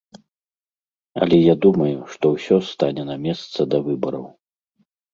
Але я думаю, што ўсё стане на месца да выбараў.